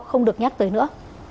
không được nhắc tới nữa